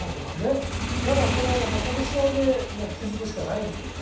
だからそれはねその試合で気づくしかないんですけどね。